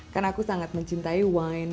kan aku sangat mencintai wine